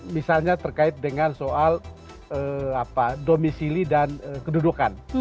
misalnya terkait dengan soal domisili dan kedudukan